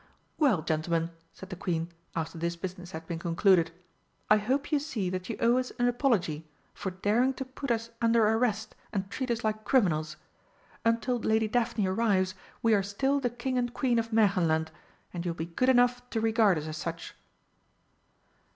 "Well, gentlemen," said the Queen, after this business had been concluded, "I hope you see that you owe us an apology for daring to put us under arrest and treat us like criminals. Until Lady Daphne arrives we are still the King and Queen of Märchenland, and you will be good enough to regard us as such."